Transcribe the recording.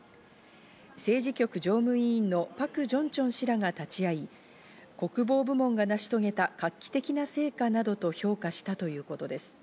政治局常務委員のパク・ジョンチョン氏らが立ち会い、国防部門が成し遂げた、画期的な成果などと評価したということです。